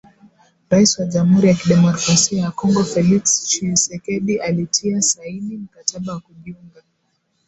Rais wa Jamhuri ya kidemokrasia ya Kongo Felix Tchisekedi alitia saini mkataba wa kujiunga.